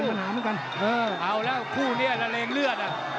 แต่ก็คือเอ้าแล้วคู่นี้ละเลงเลือดอ่ะ